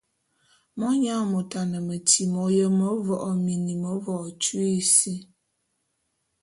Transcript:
Monyang môt a ne metyi m'oyém; mevo'o ô mini, mevo'o ô tyui sí.